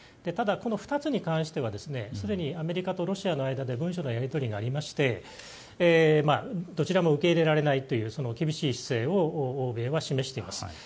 ただ、この２つに関してはすでにアメリカとロシアの間で文書のやり取りがありましてどちらも受け入れられないという厳しい姿勢を欧米は示しています。